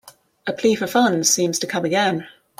A plea for funds seems to come again.